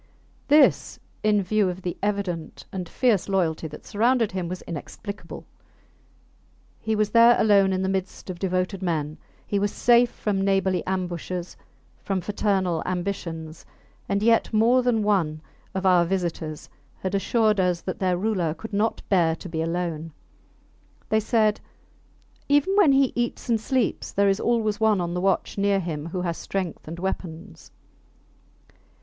This, in view of the evident and fierce loyalty that surrounded him, was inexplicable. He was there alone in the midst of devoted men; he was safe from neighbourly ambushes, from fraternal ambitions; and yet more than one of our visitors had assured us that their ruler could not bear to be alone. They said, Even when he eats and sleeps there is always one on the watch near him who has strength and weapons.